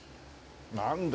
なんだ